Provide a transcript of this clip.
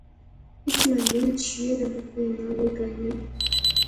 اس ملخے وچ شعر ادب کوئی ناوی گل نئیں